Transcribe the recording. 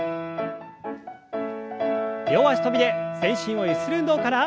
両脚跳びで全身をゆする運動から。